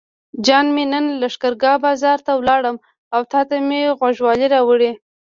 جان مې نن لښکرګاه بازار ته لاړم او تاته مې غوږوالۍ راوړې.